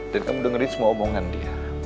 dan kamu dengerin semua omongan dia